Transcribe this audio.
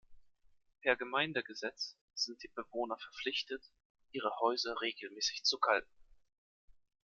Per Gemeindegesetz sind die Bewohner verpflichtet, ihre Häuser regelmäßig zu kalken.